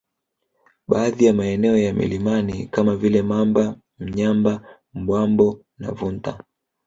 Baadhi ya maeneo ya milinani kama vile mamba Mnyamba Bwambo na Vunta